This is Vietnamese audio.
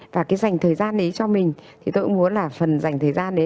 và cái dành thời gian đấy cho mình thì tôi cũng muốn là phần dành thời gian đấy